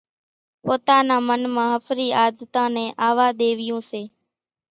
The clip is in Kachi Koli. پوتا نا من مان ۿڦري عادتان نين آووا ۮيويون سي۔